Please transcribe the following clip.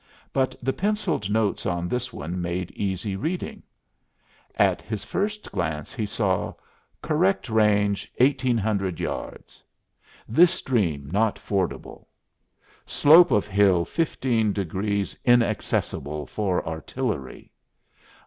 But the penciled notes on this one made easy reading. At his first glance he saw, "Correct range, 1,800 yards"; "this stream not fordable"; "slope of hill 15 degrees inaccessible for artillery."